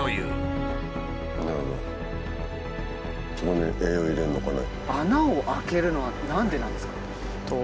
そこに栄養入れるのかね。